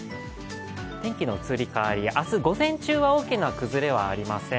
天気の移り変わり、明日午前中は大きな変化はありません。